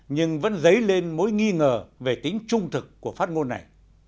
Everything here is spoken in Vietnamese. nhưng vẫn dấy lên mối nghi ngờ về tính trung thực của phát ngôn này